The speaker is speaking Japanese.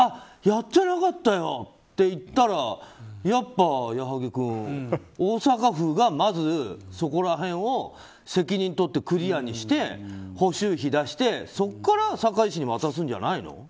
やってなかったよって言ったらやっぱ、矢作君大阪府がまず、そこら辺を責任取ってクリアにして補修費出してそこから堺市に渡すんじゃないの？